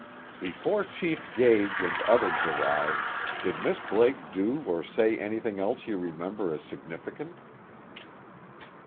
"Before Chief Gage and others arrived, did Miss Blake do or say anything else you remember as significant?"